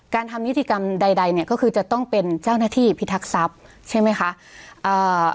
การทำนิติกรรมใดใดเนี่ยก็คือจะต้องเป็นเจ้าหน้าที่พิทักษัพใช่ไหมคะอ่า